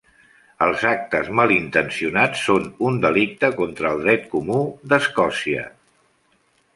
Els actes malintencionats són un delicte contra el dret comú d'Escòcia.